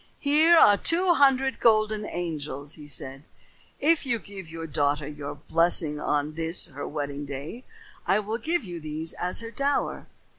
"Here are two hundred golden angels," he said. "If you give your daughter your blessing on this her wedding day, I will give you these as her dower.